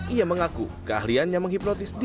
ia mengaku keahlian yang menghipnotis tersebut